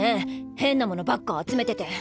変な物ばっか集めてて。